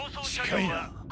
近いな。